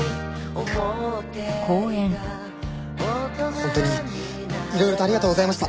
本当にいろいろとありがとうございました。